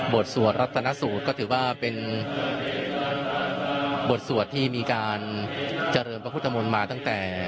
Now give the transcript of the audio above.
สวดรัตนสูตรก็ถือว่าเป็นบทสวดที่มีการเจริญพระพุทธมนต์มาตั้งแต่